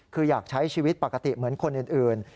คืออยากใช้ชีวิตปกติเหมือนคนอื่น